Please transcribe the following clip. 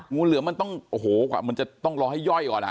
งูเหลือมมันต้องโอ้โหกว่ามันจะต้องรอให้ย่อยก่อนนะฮะ